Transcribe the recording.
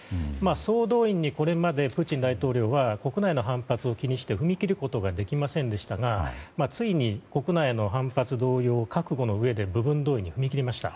総動員にこれまでプーチン大統領は国内の反発を気にして踏み切ることができませんでしたがついに国民の反発・動揺を覚悟のうえで部分動員に踏み切りました。